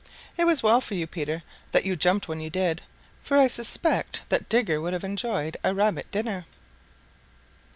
It was well for you, Peter, that you jumped when you did, for I suspect that Digger would have enjoyed a Rabbit dinner.